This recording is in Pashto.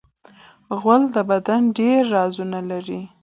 غول د بدن ډېری رازونه لري.